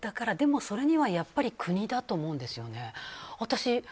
でも、それにはやっぱり国だと思うんですよね。